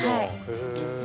へえ。